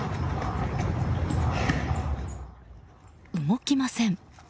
動きません。